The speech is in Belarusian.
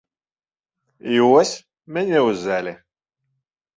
І вось, мяне ўзялі.